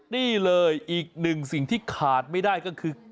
นี่เลยอีกหนึ่งสิ่งที่ขาดไม่ได้ก็คือ